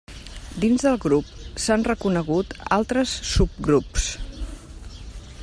Dins del grup, s'han reconegut altres subgrups.